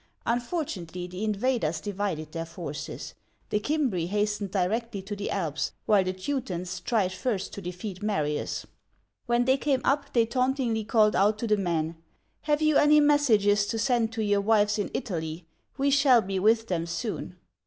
Fortunately, the invaders divided their forces: the Cimbri hastened directly to the Alps, while the Teutons tried first to defeat Marius. When they came up, they tauntingly called out to the men: "Have you any messages to send to your wives in Italy? We shall be with them soon